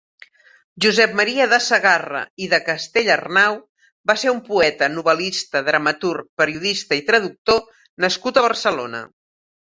Josep Maria de Sagarra i de Castellarnau va ser un poeta, novel·lista, dramaturg, periodista i traductor nascut a Barcelona.